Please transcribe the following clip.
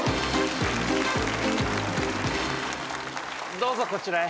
どうぞこちらへ。